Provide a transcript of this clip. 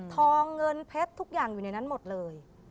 เงินเพชรทุกอย่างอยู่ในนั้นหมดเลย